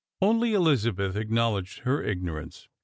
Only Elizabeth acknowledged her ignorance.